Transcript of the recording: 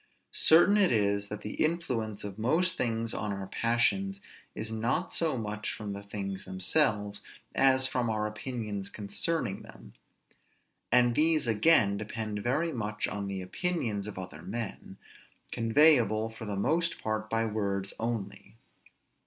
Certain it is, that the influence of most things on our passions is not so much from the things themselves, as from our opinions concerning them; and these again depend very much on the opinions of other men, conveyable for the most part by words only.